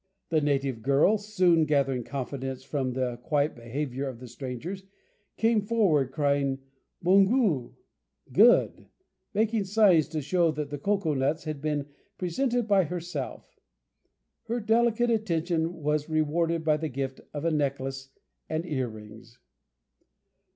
The native girl, soon gathering confidence from the quiet behaviour of the strangers, came forward, crying, "Bongous!" (good!), making signs to show that the cocoa nuts had been presented by herself. Her delicate attention was rewarded by the gift of a necklace and earrings.